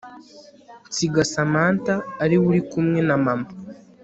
nsiga Samantha ariwe urikumwe na mama